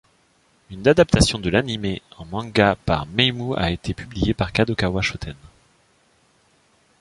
Un adaptation de l'anime en manga par Meimu a été publiée par Kadokawa Shoten.